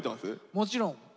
もちろん。